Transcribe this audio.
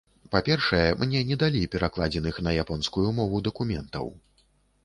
Па-першае, мне не далі перакладзеных на японскую мову дакументаў.